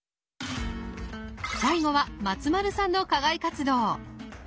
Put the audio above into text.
最後は松丸さんの課外活動。